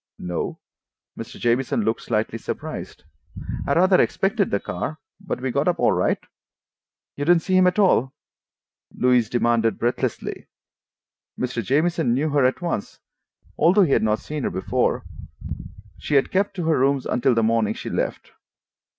"No." Mr. Jamieson looked slightly surprised. "I rather expected the car, but we got up all right." "You didn't see him at all?" Louise demanded breathlessly. Mr. Jamieson knew her at once, although he had not seen her before. She had kept to her rooms until the morning she left.